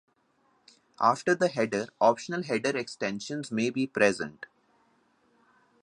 After the header, optional header extensions may be present.